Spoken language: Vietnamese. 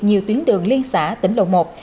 nhiều tuyến đường liên xã tỉnh lầu một